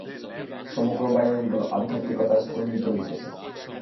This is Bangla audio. সমগ্র বায়ুমণ্ডল আধ্যাত্মিকতায় স্পন্দিত হইতেছে।